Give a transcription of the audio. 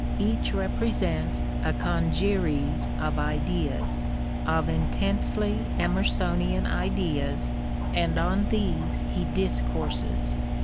Each represents a congeries of ideas, of intensely Emersonian ideas, and on these he discourses.